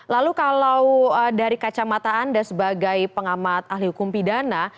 lalu kalau dari kacamata anda sebagai pengamat ahli hukum pidana